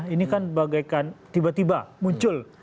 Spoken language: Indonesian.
ini kan bagaikan tiba tiba muncul